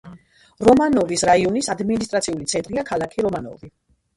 რომანოვის რაიონის ადმინისტრაციული ცენტრია ქალაქი რომანოვი.